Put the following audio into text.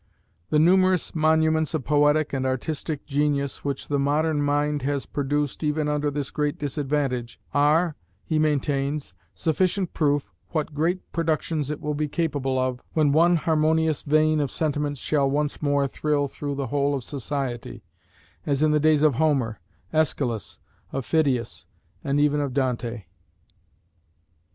The numerous monuments of poetic and artistic genius which the modern mind has produced even under this great disadvantage, are (he maintains) sufficient proof what great productions it will be capable of, when one harmonious vein of sentiment shall once more thrill through the whole of society, as in the days of Homer, of Aeschylus, of Phidias, and even of Dante.